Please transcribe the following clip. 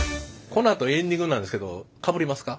このあとエンディングなんですけどかぶりますか？